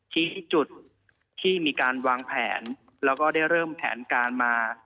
ชี้จุดที่มีการวางแผนแล้วก็ได้เริ่มแผนการมา